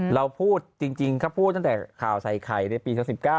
เราพูดจริงถ้าพูดตั้งแต่ข่าวใส่ไข่ในปี๒๑๙